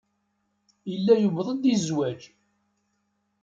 Yella yuweḍ-d i zzwaj.